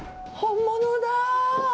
本物だぁ！